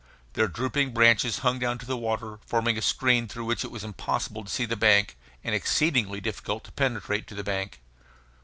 Their drooping branches hung down to the water, forming a screen through which it was impossible to see the bank, and exceedingly difficult to penetrate to the bank.